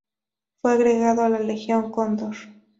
Fue agregado a la Legión Cóndor.